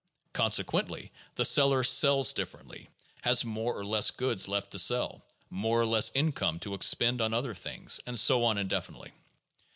Consequently, the seller sells differently, has more or less goods left to sell, more or less income to expend on other things, and so on indefinitely.